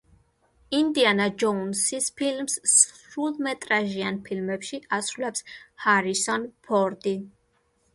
ინდიანა ჯოუნსის როლს სრულმეტრაჟიან ფილმებში ასრულებს ჰარისონ ფორდი.